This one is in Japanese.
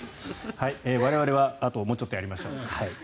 我々はあともうちょっとやりましょう。